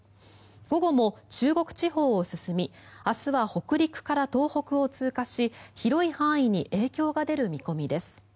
午後も中国地方を進み明日は北陸から東北を通過し広い範囲に影響が出る見込みです。